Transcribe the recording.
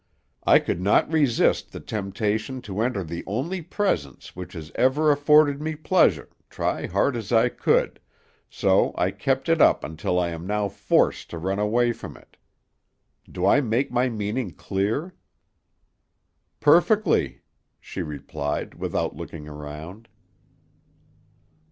I could not resist the temptation to enter the only presence which has ever afforded me pleasure, try hard as I could, so I kept it up until I am now forced to run away from it. Do I make my meaning clear?" "Perfectly," she replied, without looking around.